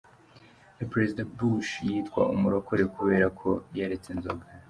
Na president Bush yitwa umurokore kubera ko yaretse inzoga.